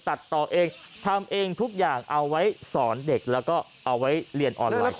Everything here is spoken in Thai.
ตัดต่อเองทำเองทุกอย่างเอาไว้สอนเด็กแล้วก็เอาไว้เรียนออนไลน์